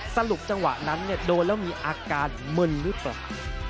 สรุปจังหวะนั้นโดนแล้วมีอาการมึนหรือเปล่า